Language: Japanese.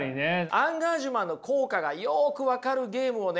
アンガージュマンの効果がよく分かるゲームをね